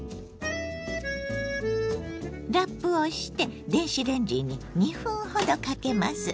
ラップをして電子レンジに２分ほどかけます。